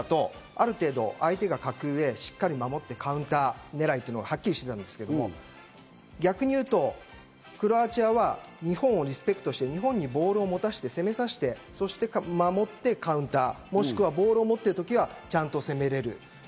これまでだとある程度相手が格上、しっかり守ってカウンターねらいというのがはっきりしてたんですけど、逆に言うとクロアチアは日本をリスペクトして、日本にボールを持たせて、攻めさせて、守ってカウンター、もしくはボールを持ってる時はちゃんと攻めれる。